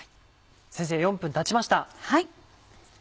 先生４分たちました。